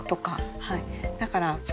はい。